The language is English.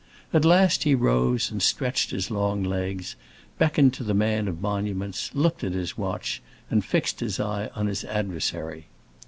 At last he rose and stretched his long legs, beckoned to the man of monuments, looked at his watch, and fixed his eye on his adversary.